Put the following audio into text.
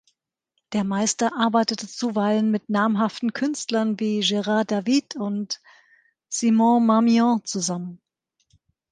Der Meister arbeitete zuweilen mit namhaften Künstlern wie Gerard David und Simon Marmion zusammen.